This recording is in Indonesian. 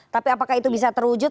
tapi apakah itu bisa terwujud